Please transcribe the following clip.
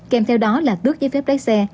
kèm theo đó là đước giấy phép đáy xe